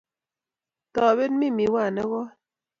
topen mii miwayat nekoi